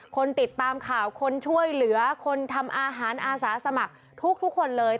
คนติดตามข่าวคนช่วยเหลือคนทำอาหารอาสาสมัครทุกคนเลย